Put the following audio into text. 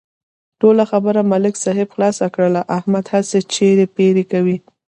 ټوله خبره ملک صاحب خلاصه کړله، احمد هسې چېړ پېړ کوي.